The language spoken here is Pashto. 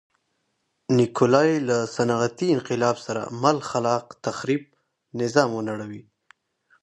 نیکولای له صنعتي انقلاب سره مل خلاق تخریب نظام ونړوي.